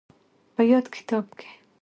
په ياد کتاب کې